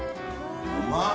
うまっ。